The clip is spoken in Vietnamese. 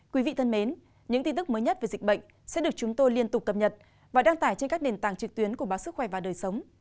quý vị thân mến những tin tức mới nhất về dịch bệnh sẽ được chúng tôi liên tục cập nhật và đăng tải trên các nền tảng trực tuyến của báo sức khỏe và đời sống